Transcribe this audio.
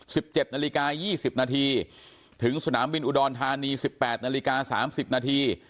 สิบเจ็ดนาฬิกายี่สิบนาทีถึงสนามบินอุดรธานีสิบแปดนาฬิกาสามสิบนาที